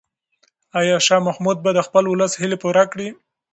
آیا شاه محمود به د خپل ولس هیلې پوره کړي؟